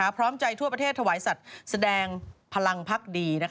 พร้อมใจทั่วประเทศถวายสัตว์แสดงพลังพักดี